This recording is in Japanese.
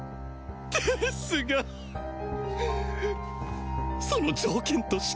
ですがその条件として。